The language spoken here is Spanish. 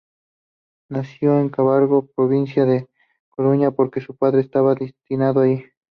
Nació en Carballo, provincia de La Coruña, porque su padre estaba destinado allí.